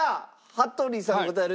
羽鳥さん答える？